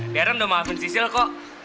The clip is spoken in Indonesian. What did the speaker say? deran udah maafin sisil kok